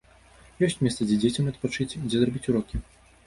Ёсць месца, дзе дзецям адпачыць, дзе зрабіць урокі.